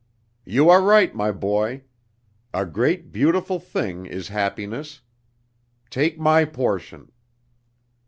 "You are right, my boy. A great, beautiful thing is happiness. Take my portion...."